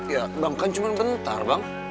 ya bang kan cuma bentar bang